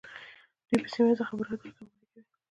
دوی په سیمه ایزو خبرو اترو کې همکاري کوي